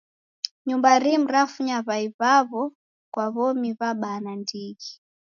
Nyumba rimu rafunya w'ai w'awo kwa w'omi w'abaa nandighi.